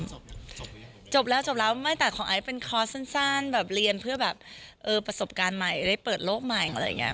งานจบหรือยังจบแล้วไม่ตัดของไอเป็นคอร์สสั่นสั้นเรียนเพื่อประสบการณ์ใหม่ได้เปิดโลกใหม่มึงอะไรอย่างเงี้ย